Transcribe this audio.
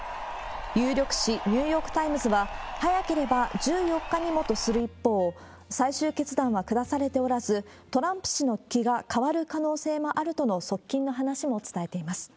有力紙、ニューヨーク・タイムズは、早ければ１４日にもとする一方、最終決定は下されておらず、トランプ氏の気が変わる可能性もあるとの側近の話も伝えています。